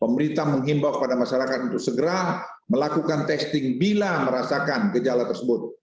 pemerintah menghimbau kepada masyarakat untuk segera melakukan testing bila merasakan gejala tersebut